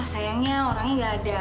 sayangnya orangnya gak ada